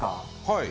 はい。